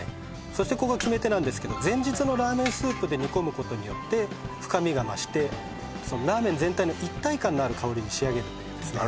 そしてここが決め手なんですけど前日のラーメンスープで煮込むことによって深みが増してラーメン全体の一体感のある香りに仕上げていくんですね